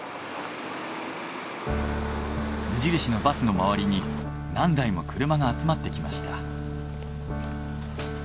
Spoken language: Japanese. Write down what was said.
無印のバスの周りに何台も車が集まってきました。